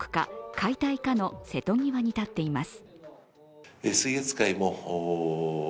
解体かの瀬戸際に立っています。